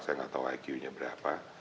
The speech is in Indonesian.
saya ga tau iq nya berapa